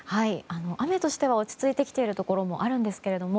雨としては落ち着いてきているところもあるんですけれども。